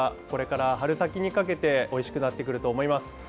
これから春先にかけておいしくなってくると思います。